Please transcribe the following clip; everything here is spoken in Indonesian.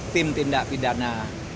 tim tindak pidana